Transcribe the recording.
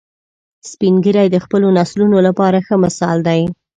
سپین ږیری د خپلو نسلونو لپاره ښه مثال دي